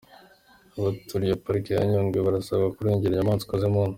Abaturiye Parike ya Nyungwe barasabwa kurengera inyamaswa z’Impundu